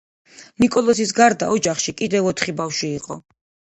ნიკოლოზის გარდა ოჯახში კიდევ ოთხი ბავშვი იყო.